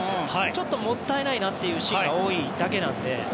ちょっともったいないなっていうシーンが多いだけなので。